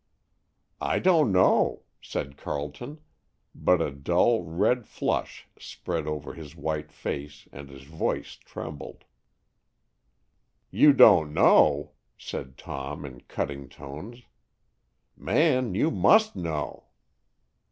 "I don't know," said Carleton, but a dull, red flush spread over his white face and his voice trembled. "You don't know!" said Tom, in cutting tones. "Man, you must know."